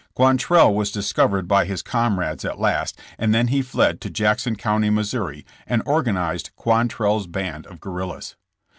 Quantrell was discovered by his comrades at last and then he fled '"to Jackson County, Mo., and organized QuantrelPs band of guerrillas.